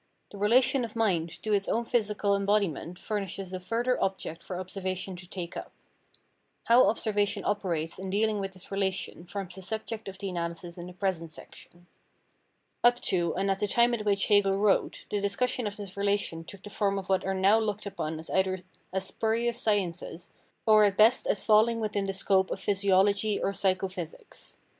The relation of mind to its own physical embodiment furnishes a further object for observation to take up. How observation operates in dealing with this relation forms the subject of the analysis in the present section. Up to and at the time at which Hegel wrote, the discussion of this relation took the form of what are now looked upon either as spurious sciences or at best as falling within the scope of physiology or psycho physics.